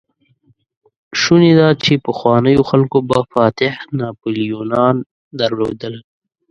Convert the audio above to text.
شونې ده، چې پخوانيو خلکو به فاتح ناپليونان درلودل.